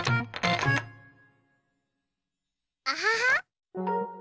アハハ！